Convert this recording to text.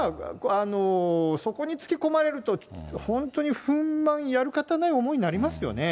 そこにつけ込まれると、本当に憤まんやるかたない思いになりますよね。